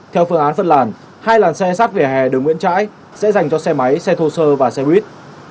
theo phương án phân làn hai làn xe sát về hè đường nguyễn trãi sẽ dành cho xe máy xe thô sơ và xe buýt